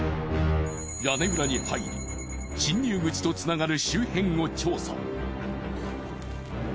屋根裏に入り侵入口とつながる周辺を調査。